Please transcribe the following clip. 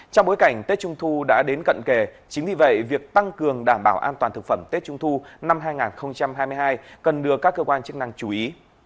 trong bối cảnh tết trung thu đã đến cận kề chính vì vậy việc tăng cường đảm bảo an toàn thực phẩm tết trung thu năm hai nghìn hai mươi hai cần được các cơ quan chức năng chú ý